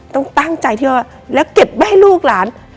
ต้องตั้งใจที่ว่าแล้วเก็บไว้ให้ลูกหลาน